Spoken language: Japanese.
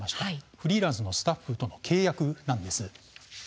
フリーランスのスタッフとの契約なんです。